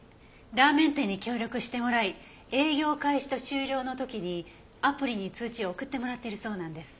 ラーメン店に協力してもらい営業開始と終了の時にアプリに通知を送ってもらっているそうなんです。